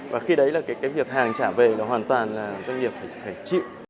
và khi đấy là cái việc hàng trả về nó hoàn toàn là doanh nghiệp phải chịu